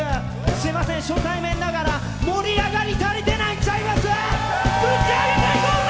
すみません、初対面ながら盛り上がり足りてないんとちゃいます？、ぶち上げていこうぜ！